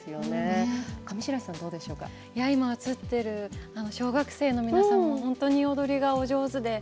今、映っている小学生の皆さんも本当に踊りがお上手で。